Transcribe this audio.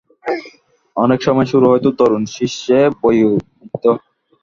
অনেক সময় গুরু হয়তো তরুণ, শিষ্য বয়োবৃদ্ধ।